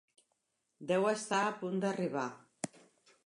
Deu estar a punt d'arribar.